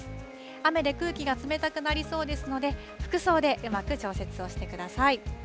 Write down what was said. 雨で空気が冷たくなりそうですので服装でうまく調節をしてください。